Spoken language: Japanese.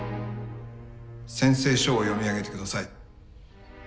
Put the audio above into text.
宣誓書を読み上げて下さい。